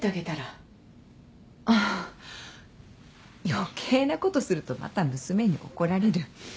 余計なことするとまた娘に怒られる。